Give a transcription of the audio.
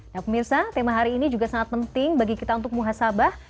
nah pemirsa tema hari ini juga sangat penting bagi kita untuk muhasabah